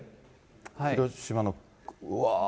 広島の、わー。